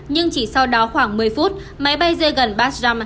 nhưng chỉ sau đó khoảng một mươi phút máy bay rơi gần bajram